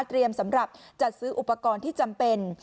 สำหรับจัดซื้ออุปกรณ์ที่จำเป็น